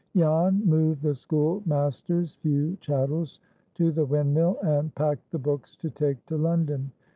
Jan moved the schoolmaster's few chattels to the windmill, and packed the books to take to London.